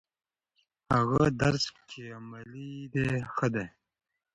هغه درس چې عملي دی ښه دی.